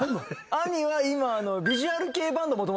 兄は今。